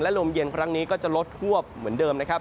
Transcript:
ลมเย็นครั้งนี้ก็จะลดทวบเหมือนเดิมนะครับ